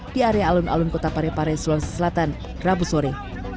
di area alun alun kota parepare sulawesi selatan rabu sore